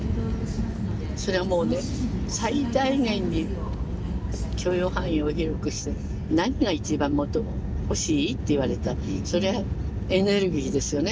それはもうね最大限に許容範囲を広くして何が一番欲しいって言われたらそりゃあエネルギーですよね。